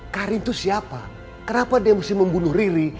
karim tuh siapa kenapa dia mesti membunuh ri